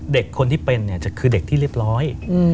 เด็กคนที่เป็นคือเด็กที่เรียบร้อย